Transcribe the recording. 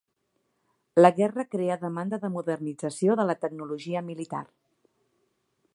La guerra crea demanda de modernització de la tecnologia militar.